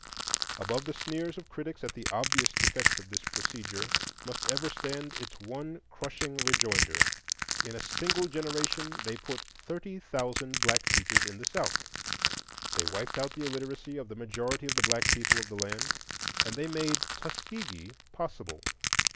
Above the sneers of critics at the obvious defects of this procedure must ever stand its one crushing rejoinder: in a single generation they put thirty thousand black teachers in the South; they wiped out the illiteracy of the majority of the black people of the land, and they made Tuskegee possible.